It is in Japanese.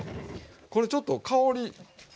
これちょっと香り。